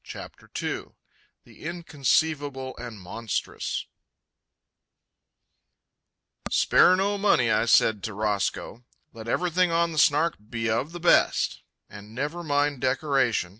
CHAPTER II THE INCONCEIVABLE AND MONSTROUS "Spare no money," I said to Roscoe. "Let everything on the Snark be of the best. And never mind decoration.